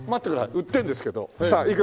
売ってるんですか？